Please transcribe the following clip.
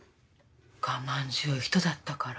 我慢強い人だったから。